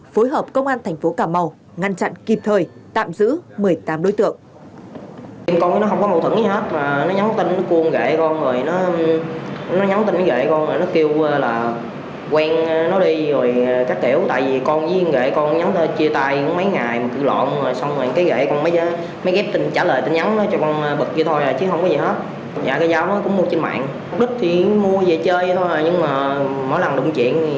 và cảm mau ngăn chặn kịp thời tạm giữ một mươi tám đối tượng